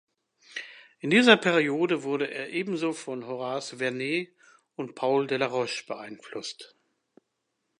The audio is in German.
In dieser Periode wurde er ebenso von Horace Vernet und Paul Delaroche beeinflusst.